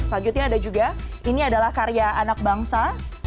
selanjutnya ada juga ini adalah karya anak bangsa